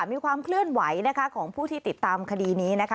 มีความเคลื่อนไหวนะคะของผู้ที่ติดตามคดีนี้นะคะ